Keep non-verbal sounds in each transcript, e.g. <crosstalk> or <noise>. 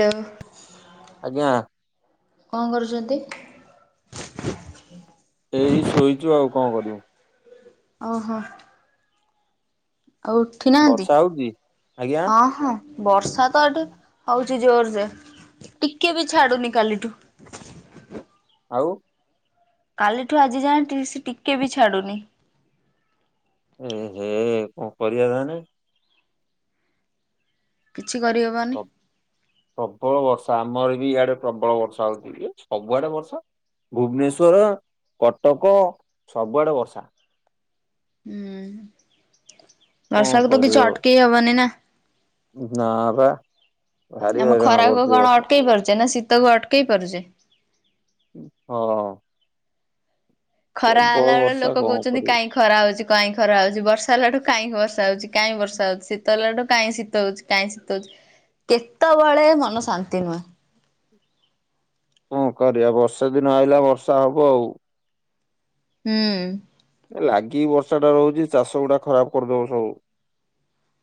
Hello. ଆଜ୍ଞା। କଣ କରୁଛନ୍ତି? ଏଇ ଶୋଇଚୁ ଆଉ କଣ କରିବୁ। ଓହୋ। ଆଉ ଉଠି ନାହାନ୍ତି ବର୍ଷା ହଉଛି? ଆଜ୍ଞା ହଁ ହଁ। ବର୍ଷା ତ ଏଠି ହଉଚି ଜୋରରେ ଟିକେ ବି ଛାଡୁନି କାଲିଠୁ। ଆଉ କାଲିଠୁ ଆଜିଯାଏଁ ଟି ସିଏ ଟିକେ ବି ଛାଡ଼ୁନି। ଏ ହେ କଣ କରିବା ତାମାନେ? କିଛି କରିହବନି। ପ୍ରବଳ ବର୍ଷା ଆମର ବି ଇଆଡେ ପ୍ରବଳ ବର୍ଷା ହଉଛି <unintelligible> ସବୁଆଡେ ବର୍ଷା। ଭୁବନେଶ୍ଵର, କଟକ ସବୁଆଡେ ବର୍ଷା। ହୁଁ କଣ ବର୍ଷାକୁ ତ କରିବ କିଛି ଆଉ? ଅଟକେଇ ହବନି ନା। ନା ବା। ଭାରି ଆମ ହଇରାଣ ଖରାକୁ କରୁଛି କଣ ବର୍ଷା ଅଟକେଇ ପାରୁଛେ ନା ଶୀତକୁ ଅଟକେଇ ପାରୁଛେ। ହଁ। ଖରା ହେଲା ପ୍ରବଳ ବେଳେ ବର୍ଷା ଲୋକ କଣ କହୁଛନ୍ତି କରିବୁ କାଇଁ ଖରା ହଉଛି କାଇଁ ଖରା ହଉଛି। ବର୍ଷା ହେଲା ଠୁ କାଇଁ ବର୍ଷା ହଉଛି କାଇଁ ବର୍ଷା ହଉଛି। ଶୀତ ହେଲା ଠୁ କାଇଁ ଶୀତ ହଉଛି। କାଇଁ ଶୀତ ହଉଛି। କେତବଳେ ମନ ଶାନ୍ତି ନୁହେଁ। କଣ କରିବା ବର୍ଷା ଦିନ ଆଇଲା ବର୍ଷା ହବ ଆଉ। ହୁଁ। ଏ ଲାଗିକି ବର୍ଷାଟା ରହୁଛି ଚାଷ ଗୁଡା ଖରାପ କରିଦବ ସବୁ।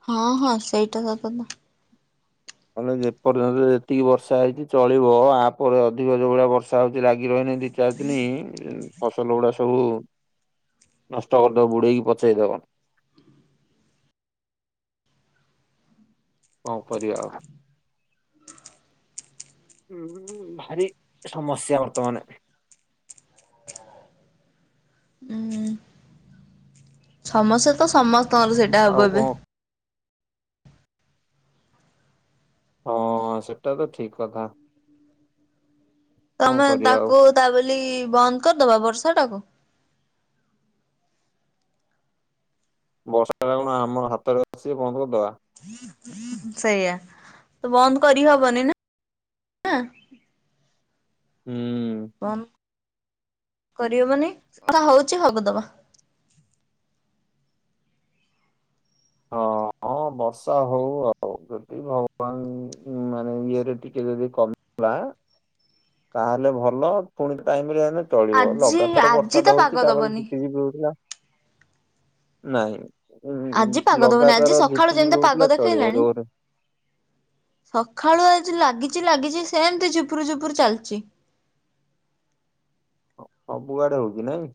ହଁ ହଁ ସେଇଟା ସତ ତ। ମାନେ ଯେପର୍ଯ୍ୟନ୍ତ ଯେତିକି ବର୍ଷା ହେଇଛି ଚଳିବ ଆପରେ ଅଧିକ ଯୋଉଭଳିଆ ବର୍ଷ୍ ର୍ଷା ହଉଛି ଲାଗି ରହିବ ନା ଦି ଚାରଦିନି ଉଁ ଫସଲ ଗୁଡା ସବୁ ନଷ୍ଟ କରିଦବ ବୁଡେଇକି ପଚେଇ ଦବ। କଣ କରିବା ଆଉ। ହୁଁ ଭାରି ସମସ୍ୟା ବର୍ତ୍ତମାନେ। ହୁଁ ସମସ୍ୟା ତ ସମସ୍ତଙ୍କର ସେଇଟା ଆଉ ହବ କଣ ଏବେ। ହଁ ସେଇଟା ତ ଠିକ୍ କଥା। କଣ ତମେ କରିବା ଆଉ ତାକୁ ତା ବୋଲି ବନ୍ଦ କରିଦବ ବର୍ଷାଟାକୁ। ବର୍ଷାଟା କଣ ଆମର ହାତରେ ଅଛି ଯେ ବନ୍ଦ କରିଦବା। ସେଇଆ ତ ବନ୍ଦ କରିହବନି ନା। ହୁଁ। ବନ୍ଦ କରିହବନି <unintelligible> ହଉଛି ହବାକୁ ଦବା। ହଁ ହଁ ବର୍ଷା ହଉ ଆଉ। ଯଦି ଭଗବାନ ମାନେ ଇଏରେ ଟିକେ ଯଦି କମିଲା ତାହେଲେ ଭଲ ପୁଣି ଟାଇମରେ ହେଲେ ଚଳିବ ଆଜି ଲଗାତାର ଆଜି ତ ବର୍ଷାଟା ପାଗ ହଉଛି ତା ପରେ ଦବନି। ଝିପିଝିପି ହଉଥିଲା। ନାଇଁ। ଉଁ ଆଜି ପାଗ ଦବନି। ଆଜି ଲଗାତାର ସଖାଳୁ ଝିପିଝିପି ଯେମିତିଆ ହଉଥିଲା ପାଗ ଚଳିବ ଦେଖେଇଲାଣି ଜୋରେ ସଖାଳୁ ଆଜି ଲାଗିଛି ଲାଗିଛି ସେମିତି ଝୁପୁରୁ ଝୁପୁରୁ ଚାଲିଛି। ସ-ସବୁଆଡେ ହଉଛି ନାଇଁ।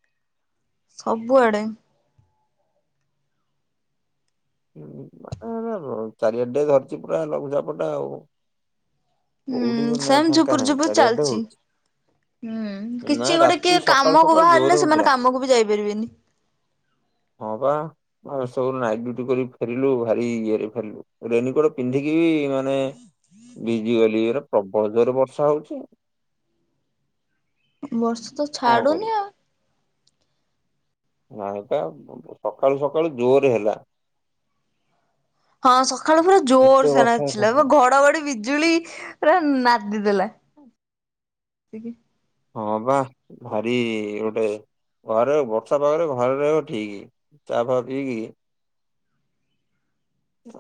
ସବୁଆଡେ। ହୁଁ <unintelligible> ଚାରିଆଡେ ଧରିଛି ପୁରା ଲଘୁଚାପଟା ଆଉ। ହୁଁ କୋଉଠି ବି ନା- ସେମ୍ ଫାଙ୍କା ଝୁପୁରୁ ନାହିଁ ଝୁପୁରୁ ଚାରିଆଡେ ଚାଲିଛି। ହଉଛି ହୁଁ ନା କିଛି ଗୋଟେ ରାତି କିଏ ସକାଳୁ କାମକୁ ସକାଳୁ ଜୋରେ ବାହାରିଲେ ହଉଥିଲା ସେମାନେ କାମକୁ ବି ଯାଇପାରିବେନି। ହଁ ବା ଆଉ ସବୁ ନାଗି <unintelligible> ଫେରିଲୁ ଭାରି ଇଏରେ ଫେରିଲୁ। ରେନିକୋଟ ପିନ୍ଧିକି ବି ମାନେ ଭିଜି ଗଲି ପୁରା। ପ୍ରବଳ ଜୋରରେ ବର୍ଷା ହଉଛି ଆଉ। ବର୍ଷା ତ କଣ କରିବି। ଛାଡ଼ୁନି ଆଉ। <unintelligible> ସକାଳୁ ସକାଳୁ ଜୋରରେ ହେଲା। ହଁ ସଖାଳୁ ପୁରା ଏତେ ଜୋରସେ ବର୍ଷା ନାଚିଲା ପୁରା ପ୍ରବଳ। ଘଡଘଡି ବି ଜୁଳି ପୁରା ନାଦି ଦେଲା। <unintelligible> ହଁ ବା ଭାରି ଗୋଟେ ଘରେ ବର୍ଷା ପାଗରେ ଘରେ ରହିବ ଠିକି। ଚାହା ପାହା ପିଇକି।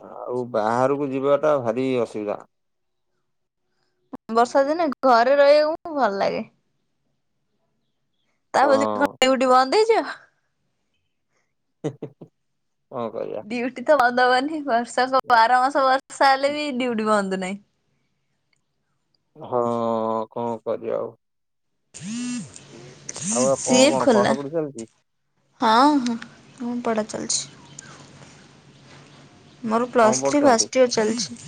ଆଉ ବାହାରୁକୁ ଯିବାଟା ଭାରି ଅସୁବିଧା। ବର୍ଷା ଦିନେ ଘରେ ରହିବାକୁ ଆମକୁ ଭଲ ଲାଗେ। ତା ବୋଲି ହଁ <unintelligible> ବନ୍ଦ ହେଇଯିବ। ହେଁ ହେଁ କଣ କରିବି? ଡୁଟି ତ ବନ୍ଦ ହବନି ବର୍ଷକ ବାର ମାସ ବର୍ଷା ହେଲେ ବି ଡିଉଟି ବନ୍ଦ ନାହିଁ। ହଁ କଣ କରିବା ଆଉ ଆଉ ଆପଣ ସିଏ କଣ ଖୋଲା ପଢାପଢି ଚାଲିଛି? ହଁ ହଁ ହୁଁ ପଢ଼ା ଚାଲଛି। ମୋର କଣ ପ୍ଲସ୍ ଥ୍ରୀ ପଢୁଛନ୍ତି? ଫାଷ୍ଟ୍ ଇୟର ଚାଲିଛି।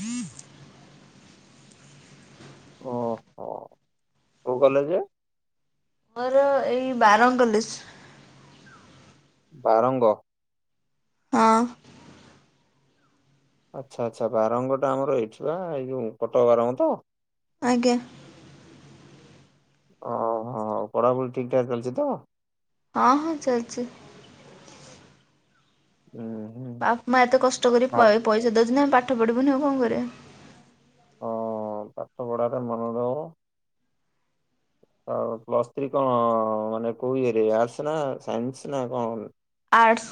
ଓହୋ, କୋଉ କଲେଜେ? ମୋର ଏଇ ବାରଙ୍ଗ୍ କଲେଜ୍। ବାରଙ୍ଗ। ହଁ। ଆଚ୍ଛା ଆଚ୍ଛା ବାରଙ୍ଗଟା ଆମର ଏଇଠି ବା ଏଇ ଯୋ କଟକ ବାରଙ୍ଗ ତ। ଆଜ୍ଞା। ଓହୋ ପଢାପଢି ଠିକ୍ ଠାକ ଚାଲିଛି ତ? ହଁ ହଁ ଚାଲଛି। ହୁଁ। ହୁଁ। ବାପା ମା ଏତେ କଷ୍ଟ କରି ପ ଭାବ ପଇସା ଦଉଛନ୍ତି ଆମେ ପାଠ ପଢିବୁନି ଆଉ କଣ କରିବା? ହଁ, ପାଠ ପଢାଟା ମନେ ରହେବ। ଆଉ ପ୍ଲସ୍ ଥ୍ରୀ କଣ ମାନେ କୋଉ ଇଏରେ ଆର୍ସ ନା ସାଇନ୍ସ ନା କଣ? ଆର୍ଟସ୍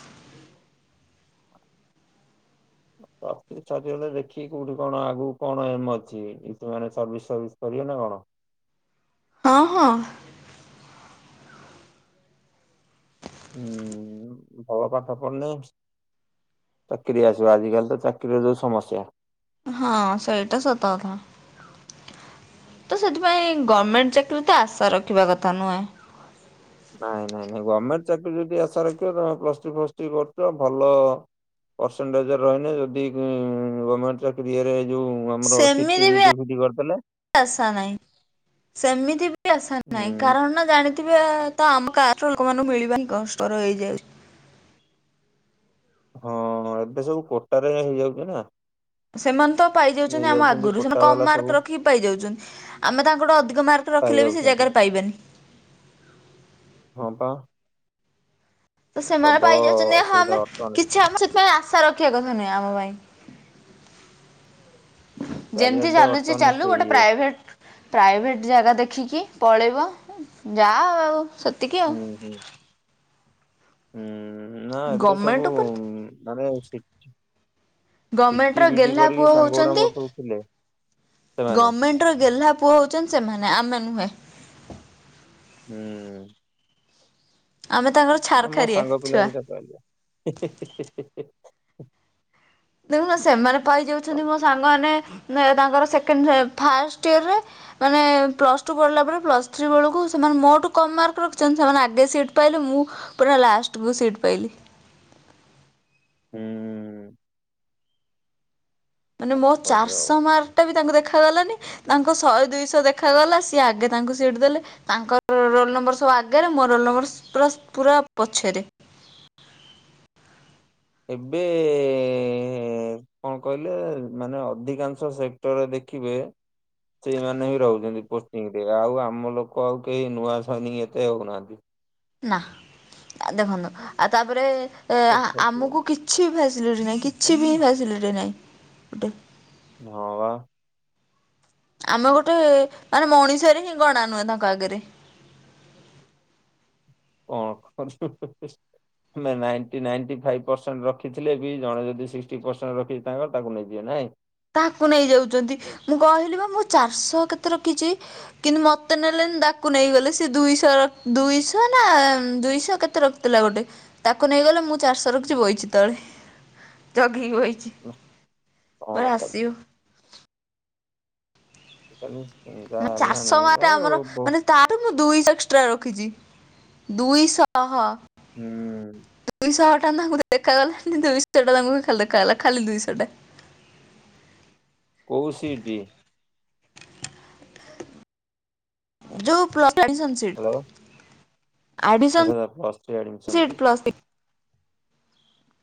<unintelligible> ଦେଖିକି କୋଉଠି କଣ ଆଗୁ କଣ ଏମ ଅଛି ମେ ସର୍ଭିସ ସର୍ଭିସ କରିବେ ନା କଣ? ହଁ ହଁ। ହୁଁ ଭଲ ପାଠ ପେଢେନେ ଚାକିରି ଆସିବ ଆଜିକାଲି ତ ଚାକିରିର ଯୋଉ ସମସ୍ୟା। ହଁ ସେଇଟା ସତ କଥା। ତ ସେଥିପାଇଁ ଗମେଣ୍ଟ ଚାକିରି ତ ଆଶା ରଖିବା କଥା ନୁହେଁ। ନାଇଁ ନାଇଁ ନାଇଁ ଗର୍ମେଣ୍ଟ ଚାକିରି ବି ଆଶା ରଖିବ ତମେ ପ୍ଲସ୍ ଥ୍ରି ଫ୍ଲସ୍ ଥ୍ରୀ କରୁଛ ଭଲ ପରସେଣ୍ଟେଜ୍ ରହିଲେ ଯଦି ହୁମ୍ ଗମେଣ୍ଟ ଚାକିରି ଇଏରେ ଯଉ ସେମିତି ବି ଆ ଆଶା ନାହିଁ ସେମିତି ବି ଆଶା ନାଇଁ ହୁଁ କାରଣ ଜାଣିଥିବେ ଏ ତ ଆମ କାଷ୍ଟର ଲୋକ ମାନଙ୍କୁ ମିଳିବା ହିଁ କଷ୍ଟ ର ହୋଇଯାଉଛି। ହଁ ଏବେ ସବୁ କୋଟାରେ ହେଇଯାଉଛି ନା। ସେମାନେ ତ ପାଇ ଯାଉଛନ୍ତି ଆମ ନେଇଯାଉଛନ୍ତି ଆଗରୁ, ସେମାନେ କୋଟା କମ ବାଲା ସବୁ ମାର୍କ ରଖି ପାଇ ଯାଉଛନ୍ତି। ଆମେ ତାଙ୍କ ଠୁଁ ଅଧିକ ମାର୍କ ରଖିଲେ ବି ସେ ପାଇଯାଉଛନ୍ତି ଜାଗାରେ ପାଇବାନି। ହଁ ପା। ସେମାନେ ପ୍ରବଳ ପାଇ ଯାଉଛନ୍ତି, ହଁ ଅସୁବିଧା ଆମେ ବର୍ତ୍ତମାନ କିଛି ଆମ ସେଥିପାଇଁ ଆଶା ରଖିବା କଥା ନୁହେଁ ଆମ ପାଇଁ। ଯେମତି ଚାରିଆଡେ ଚାଲୁଛି ବର୍ତ୍ତମାନ ଚାଲୁ, ସେଇ ଗୋଟେ ଇଏ ପ୍ରାଇଭେଟ୍ ପ୍ରାଇଭେଟ୍ ଜାଗା ଦେଖିକି ପଳେଇବ, ଯାହା ଆଉ ସେ ହୁଁ ହୁଁ। ହୁଁ ନା ଏବେ ସବୁ ଗଭର୍ଣ୍ଣମେଣ୍ଟ ଉ ଉପରେ ମାନେ ଅଛି ଚିଟି ଗଭର୍ଣ୍ଣମେଣ୍ଟର ବିିଟି ଗେହ୍ଲା ପୁଅ କରିକି ସାଙ୍ଗ ଗୁଡା ହଉଛନ୍ତି ମୋର ସବୁ ଥିଲେ ସେମାନେ। ତ ଗେହ୍ଲା ପୁଅ ହଉଛନ୍ତି, ସେମାନେ ଆମେ ନୁହେଁ। ହୁଁ। ଆମେ ତାଙ୍କର ଆମ ଛାରଖାରିଆ ସାଙ୍ଗ ପିଲା ଛୁଆ ଦି ଟା ପାଇଲେ ହି ହି ହି। ଦେଖୁନ ସେମାନେ ପାଇ ଯାଉଛନ୍ତି ମୋ ସାଙ୍ଗମାନେ ନେହ୍ ତାଙ୍କର ସେକେଣ୍ଡ ସେ ଫାଷ୍ଟ ଇୟରରେ। ମାନେ ପ୍ଲସ୍ ଟୁ ପଢିଲା ପରେ ପ୍ଲସ୍ ଥ୍ରୀ ବେଳକୁ ସେମାନେ ମୋ ଠୁଁ କମ୍ ମାର୍କ ରଖିଛନ୍ତି, ସେମାନେ ଆଗେ ସିଟ୍ ପାଇଲେ, ମୁଁ ପୁରା ଲାଷ୍ଟକୁ ସିଟ ପାଇଲି। ହୁଁ। ମାନେ ମୋ କଣ ଚାର୍ କରିବା ଆଉ ଶହ ମାର୍କ ଟା ବି ତାଙ୍କୁ ଦେଖା ଗଲାନି। ତାଙ୍କ ଶହେ ଦୁଇ ଶହ ଦେଖାଗଲା, ସିଏ ଆଗେ ତାଙ୍କୁ ସିଟ୍ ଦେଲେ। ତାଙ୍କର ରୋ ରୋଲ୍ ନମ୍ବର ସବୁ ଆଗେରେ ମୋ ରୋଲ ନମ୍ବର ସସ ପୁରା ପୁରା ପଛେରେ। ଏବେ ଏ କଣ କହିଲେ? ମାନେ ଅଧିକାଂଶ ସେକ୍ଟର ରେ ଦେଖିବେ ସେଇମାନେ ହି ରହୁଛନ୍ତି ପୋଷ୍ଟିଂ ରେ ଆଉ ଆମ ଲୋକ ଆଉ କେହି ନୂଆ ସୈନିକ ଏତେ ଆଉ ନାହାନ୍ତି। ନା। ଦେଖନ୍ତୁ ଆଉ ତାପରେ ଏ ଆ ପଠକୁ ଆମକୁ କିଛି ଫ୍ୟାସିଲିଟି ନାହିଁ କିଛି ହଁ ବା। ଆମେ ଗୋଟେ ମାନେ ମଣିଷରେ ହିଁ ଗଣା ନୁହେଁ ତାଙ୍କ ଆଗରେ। କଣ କରୁ <unintelligible> ଆମେ ନାଇଣ୍ଟି ନାଇଣ୍ଟି ଫାଇଭ୍ ପରସେଣ୍ଟ ରଖିଥିଲେ ବି ଜଣେ ଯଦି ସିକ୍ସଟି ପରସେଣ୍ଟ ରଖି ତାଙ୍କର ତାକୁ ନେଇଯିବେ ନାଇଁ। ତାହାକୁ ନେଇ ଯାଉଛନ୍ତି। ମୁଁ କହିଲି ବା ମୁଁ ଚାରିଶହ କେତେ ରଖିଛି। କିନ୍ତୁ ମତେ ନେଲେ ତାକୁ ନେଇଗଲେ ସିଏ ଦୁଇଶହ ରଖ ଦୁଇଶହ ନା ଦୁଇଶହ କେତେ ରଖ ଥିଲା ଗୋଟେ। ତାକୁ ନେଇଗଲେ ମୁଁ ଚାରିଶହ ରଖିଛି ବଇଛି ତଳେ। ଜଗି କି ବଇଛି। ପରେ କଣ କରିବୁ ଆସିବ। <unintelligible> ମା ଚାର୍ ହେଲାଣି ଶହ ମାର୍କ ରେ ଆମର ଆଉ ବହୁ ମାନେ ତା ଠୁ ମୁଁ ଦୁଇ ଶ ଏକ୍ସଟ୍ରା ରଖିଛି, ଦୁଇ ଶହ। ହୁଁ। ଦୁଇ ଶହ ଟଙ୍କା କୁ ଦେଖାଗଲା ନି ଦୁଇଶହ <unintelligible> ଖାଲି ଦେଖାଗଲା, ଖାଲି ଦୁଇଶହ ଟା। କୋଉ ସି ଟି? ଯୋଉ ପ୍ଲସ୍ ଥ୍ରି ଆଡିସନ୍। ହ୍ୟାଲୋ। ଆଚ୍ଛା ତା ପ୍ଲସ୍ ଥ୍ରି ଆଡ଼ମିଶନ୍ ସିଟ୍ ଅଛି। ପ୍ଲସ୍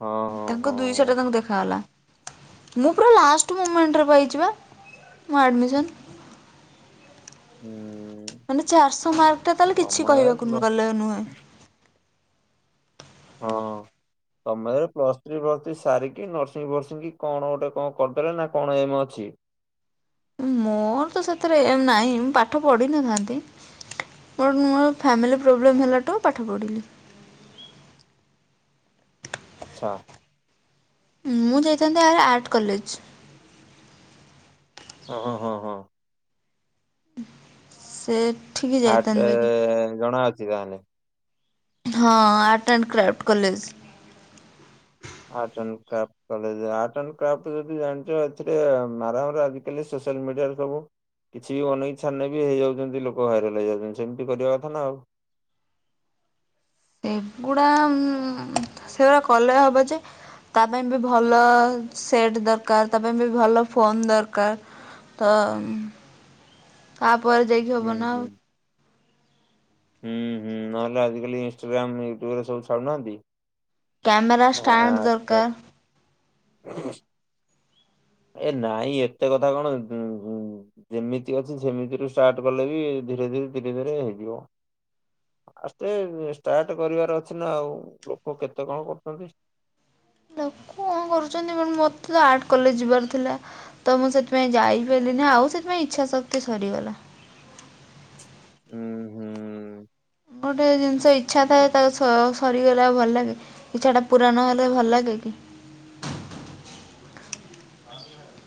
ହଁ। ହଁ ହଁ। ତାଙ୍କ ଦୁଇ ଶହ ହଁ। ଟଙ୍କା କୁ ଦେଖାଗଲା। ମୁଁ ପୁରା ଲାଷ୍ଟ ମୁମେଣ୍ଟ ରେ ପାଇଛି ବା ମୋ ଆଡ଼ମିସନ୍। ହୁଁ। ମାନେ ଚାରଶହ ମାର୍କ ଟା ତାହେଲେ କିଛି ତମର କହିବାକୁ ନ ପ୍ଲସ୍ ଗଲେ ନୁହେଁ। ହଁ। ତମେ ପ୍ଲସ ଥ୍ରୀ ପ୍ଲସ୍ ଥ୍ରୀ ସାରିକି ନର୍ସିଂ ଫର୍ସିଂ କି କଣ ଗୋଟେ କଣ କରିଦେଲେ ନା କଣ ଏମ ଅଛି? ମୋର ତ ସେଥିରେ ଏମ ନାଇଁ। ମୁ ପାଠ ପଢିନଥାନ୍ତି। ବଟ ମୋର ଫ୍ୟାମିଲି ପ୍ରୋବ୍ଲେମ୍ ହେଲା ଟ ପାଠ ପଢ଼ିଲି। ଆଚ୍ଛା। ମୁଁ ଯାଇଥାନ୍ତେ ଏହାର ଆର୍ଟ କଲେଜ। ହଁ ହଁ ହଁ। ଉଃମ ସେ ଆର୍ଟ ଏ ଜଣା ଅଛି ତାହେଲେ। ହଁ art and craft college. Art and craft college. Art and craft college ଯଦି ଜାଣିଛ ଏଥିରେ ଉମ ମାରାମାରା ଆଜି କାଲି ସୋସିଆଲ ମିଡିଆରେ ସବୁ କିଛି ବି ଅନେଇ ଛାନେ ବି ହେଇଯାଉଛନ୍ତି ଲୋକ ଭାଇରାଲ ହେଇଯାଉଛନ୍ତି। ସେମିତି କରିବା କଥା ନା ଆଉ। ଏଗୁଡା ଉମ ସେଗୁଡା କଲେ ହବ ଯେ। ତା ପାଇଁ ବି ଭଲ ସେଟ୍ ଦରକାର ତା ପାଇଁ ବି ଭଲ ଫୋନ୍ ଦରକାର। ତ ଉମ ତାପରେ ଯାଇକି ହୁଁ ହୁଁ। ଆଉ ହୁଁ ହୁଁ ନହେଲେ ଆଜିକାଲି ଇଷ୍ଟାଗ୍ରାମ ୟୁଟ୍ୟୁବ ରେ ସବୁ ଛାଡୁନାହାନ୍ତି। କ୍ୟାମେରା ଷ୍ଟାଣ୍ଡ ଦରକାର। ହ ଏ ନାଇଁ ଏତେ କଥା କଣ ଯେମିତି ଅଛି ସେମିତିରୁ ଷ୍ଟାର୍ଟ କଲେ ବି ଧୀରେ ଧୀରେ ଧୀରେ ଧୀରେ ହେଇଯିବ। ଆସ୍ତେ ଷ୍ଟାର୍ଟ କରିବାର ଅଛି ନା ଆଉ ଲୋକ କେତେ କଣ କରୁଛନ୍ତି। ଲୋକ କଣ କରୁଛନ୍ତି ମ ମୋତେ ତ ଆର୍ଟ କଲେଜ ଯିବାର ଥିଲା। ତ ମୁଁ ସେଥିପାଇଁ ଯାଇପାଇଲିନି ଆଉ ସେଥିପାଇଁ ଇଚ୍ଛା ଶକ୍ତି ସରିଗଲା। ହୁଁ ହୁଁ। ଗୋଟେ ଜିନିଷ ଇଚ୍ଛା ଥାଏ ତାକୁ ସ ସରିଗଲା ଆଉ ଭଲ ଲାଗେ। ଇଛା ଟା ପୁରା ନ ହେଲେ ଭଲ ଲାଗେ କି?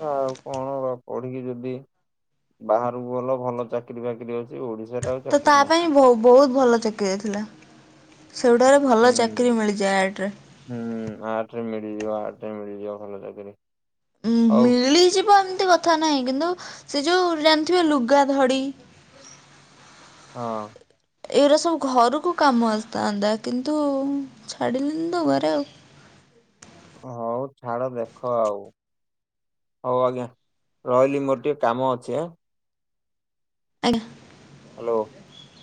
ଆଉ କଣ ବା ପଢିକି ଯଦି ବାହାରକୁ ଗଲ ଭଲ ଚାକିରି ବାକିରି ଅଛି ଓଡିଶାରେ ଆଉ ତ ତା ଚାକିରି ନାହିଁ। ପାଇଁ ବହୁ ବହୁତ ଭଲ ଚକିରିଆଇଥିଲା ସେଗୁଟାରେ ଭଲ ହୁଁ। ଚାକିରରି ମିଳିଯାଏ ଆଡ଼ରେ। ହୁଁ ଆଟରେ ମିଳିଯିବ ଆଟରେ ମିଳିଯିବ ଭଲ ଚାକିରି। ଉଁ ହଉ ମିଳିଯିବ ଏମିତି କଥା ନାହିଁ କିନ୍ତୁ ସେ ଯୋଉ ଜାଣିଥିବେ ଲୁଗା ଧଡି। ହଁ। ଏଇଉରା ସବୁ ଘରକୁ କାମ ଆସିଥାନ୍ତା କିନ୍ତୁ ଛାଡ଼ିଲେନି ତ ଘରେ ଆଉ। ହଉ ଛାଡ ଦେଖ ଆଉ। ହଉ ଆଜ୍ଞା ରହିଲି ମୋର ଟିକେ କାମ ଅଛି। ଆଜ୍ଞା। ହ୍ୟାଲୋ।